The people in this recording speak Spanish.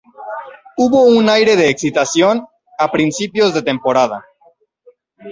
Hubo un aire de excitación a principios de temporada.